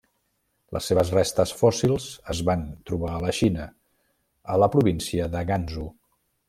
Les seves restes fòssils es van trobar a la Xina, a la província de Gansu.